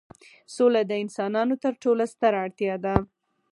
سوله د انسانانو تر ټولو ستره اړتیا ده.